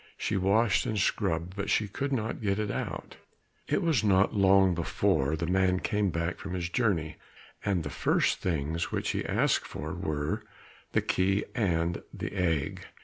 She washed and scrubbed, but she could not get it out. It was not long before the man came back from his journey, and the first things which he asked for were the key and the egg.